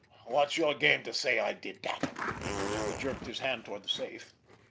What's your game to say I did that?" He jerked his hand toward the safe.